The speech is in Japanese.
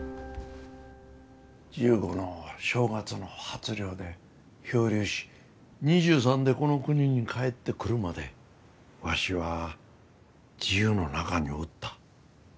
１５の正月の初漁で漂流し２３でこの国に帰ってくるまでわしは自由の中におった。